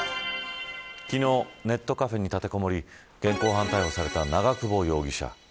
昨日、ネットカフェに立てこもり現行犯逮捕された長久保容疑者。